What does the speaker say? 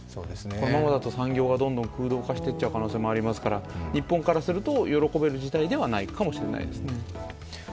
このままだと産業がどんどん空洞化していっちゃう可能性がありますから日本からすると喜べる事態ではないかもしれないですね。